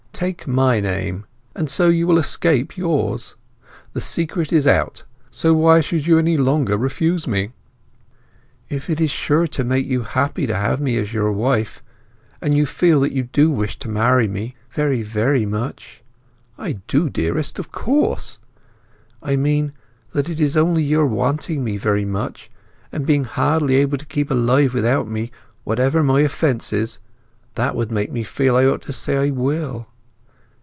Take my name, and so you will escape yours! The secret is out, so why should you any longer refuse me?" "If it is sure to make you happy to have me as your wife, and you feel that you do wish to marry me, very, very much—" "I do, dearest, of course!" "I mean, that it is only your wanting me very much, and being hardly able to keep alive without me, whatever my offences, that would make me feel I ought to say I will."